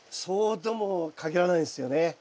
そうとも限らないんですよね。